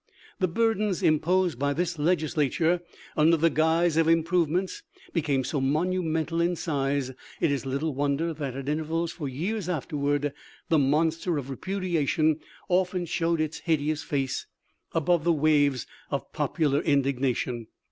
The burdens im posed by this Legislature under the guise of improvements became so monumental in size it is little wonder that at intervals for years afterward the monster of repudiation often showed its hideous face above the waves of popular indignation.